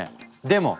でも！